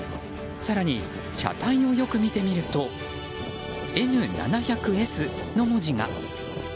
更に車体をよく見てみるとＮ７００Ｓの文字が。